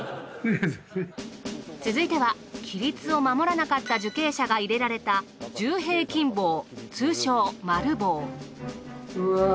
続いては規律を守らなかった受刑者が入れられたうわぁ。